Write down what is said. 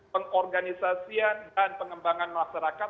pengorganisasian dan pengembangan masyarakat